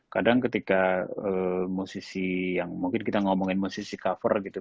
kadang ketika musisi yang mungkin kita ngomongin musisi cover gitu